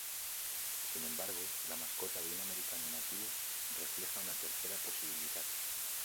Sin embargo, la mascota de un americano nativo refleja una tercera posibilidad.